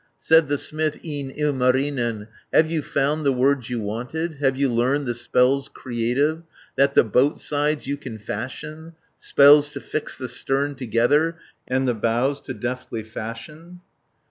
Said the smith, e'en Ilmarinen, "Have you found the words you wanted, 610 Have you learned the spells creative, That the boat sides you can fashion, Spells to fix the stern together, And the bows to deftly fashion?"